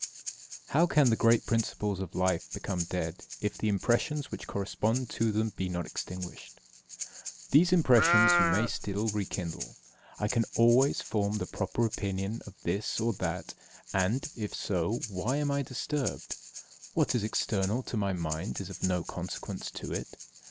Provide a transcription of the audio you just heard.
2. How can the great principles of life become dead if the impressions which correspond to them be not extinguished? These impressions you may still rekindle. I can always form the proper opinion of this or that; and, if so, why am I disturbed? What is external to my mind is of no consequence to it.